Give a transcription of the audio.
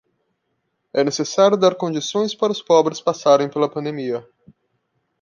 É necessário dar condições para os pobres passarem pela pandemia